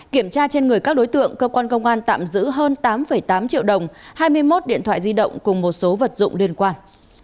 kiểm tra trên người các đối tượng cơ quan công an tạm giữ hơn tám tám triệu đồng hai mươi một điện thoại di động cùng một số vật dụng liên quan